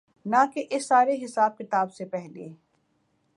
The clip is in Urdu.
نہ کہ اس سارے حساب کتاب سے پہلے۔